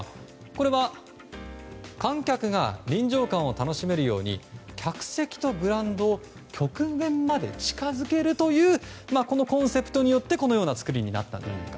これは観客が臨場感を楽しめるように客席とグラウンドを極限まで近づけるというコンセプトによってこのような作りになったと。